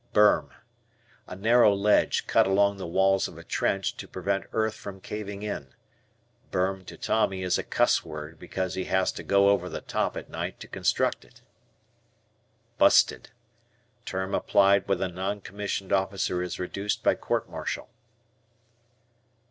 Burm. A narrow ledge cut along the walls of a trench to prevent earth from caving in. "Burm" to Tommy is a cuss word, because he has to "go over the top" at night to construct it. "Busted." Term applied when a non commissioned officer is reduced by court martial.